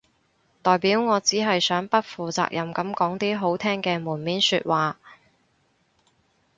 代表我只係想不負責任噉講啲好聽嘅門面說話